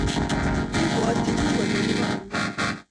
Ibwotyini kole kibore ngo?